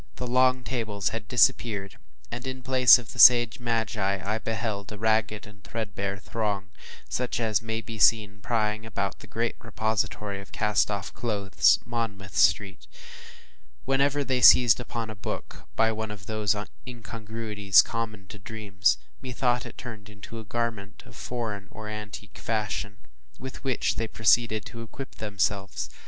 The long tables had disappeared, and, in place of the sage magi, I beheld a ragged, threadbare throng, such as may be seen plying about the great repository of cast off clothes, Monmouth Street. Whenever they seized upon a book, by one of those incongruities common to dreams, methought it turned into a garment of foreign or antique fashion, with which they proceeded to equip themselves.